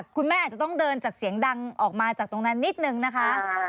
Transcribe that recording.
คุณแม่อาจจะต้องเดินจากเสียงดังออกมาจากตรงนั้นนิดนึงนะคะ